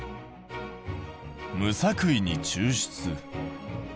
「無作為に抽出」。